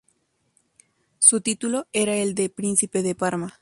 Su título era el de Príncipe de Parma.